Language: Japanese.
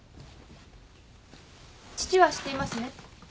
父は知っていますね。